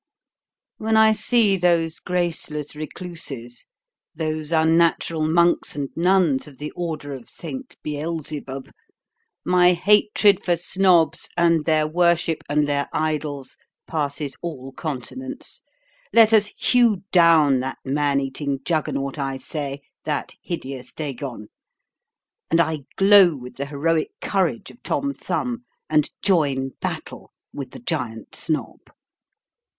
When I see those graceless recluses those unnatural monks and nuns of the order of St. Beelzebub, (1) my hatred for Snobs, and their worship, and their idols, passes all continence. Let us hew down that man eating Juggernaut, I say, that hideous Dagon; and I glow with the heroic courage of Tom Thumb, and join battle with the giant Snob.